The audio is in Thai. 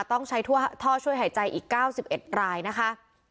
ต้องใช้ท่อช่วยหายใจอีก๙๑รายนะคะ